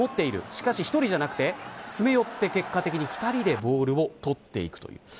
しかし１人じゃなくて詰め寄って、結果的に２人でボールを取っていくという。